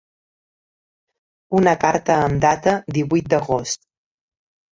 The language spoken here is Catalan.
Una carta amb data divuit d'agost.